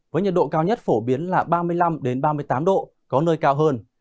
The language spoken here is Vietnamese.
với nhiệt độ cao nhất phổ biến là ba mươi năm ba mươi tám độ có nơi cao hơn